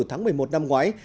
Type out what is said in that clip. tháng một mươi một năm ngoái